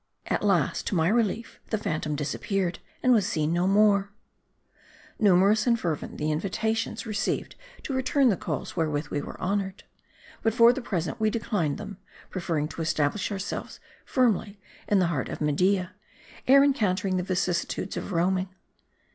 At last, to my relief, the phantom disappeared, and was seen no more. MARDI. 221 Numerous and fervent the invitations received to return the calls wherewith we were honored. But for the present we declined them ; preferring to establish ourselves firmly in the heart of Media, ere encountering the vicissitudes of roaming.